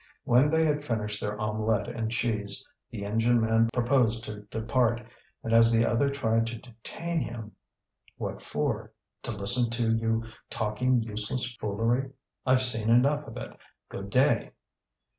When they had finished their omelette and cheese, the engine man proposed to depart, and as the other tried to detain him: "What for? To listen to you talking useless foolery? I've seen enough of it. Good day."